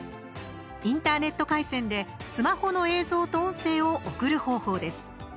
インターネット回線でスマホの映像と音声を送る方法です。